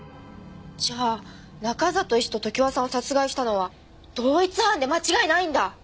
じゃあ中里医師と常盤さんを殺害したのは同一犯で間違いないんだ！